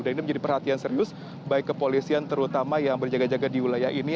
dan ini menjadi perhatian serius baik kepolisian terutama yang berjaga jaga di wilayah ini